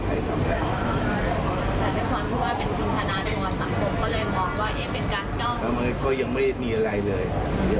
เขาเป็นคนเจ้าที่เขาเริ่มนั่นแหละ